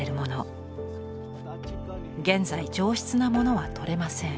現在上質なものはとれません。